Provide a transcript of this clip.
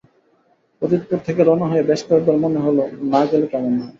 অতিথপুর থেকে রওনা হয়ে বেশ কয়েকবার মনে হল না গেলে কেমন হয়?